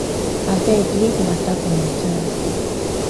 Abeg leave mata for Mathi.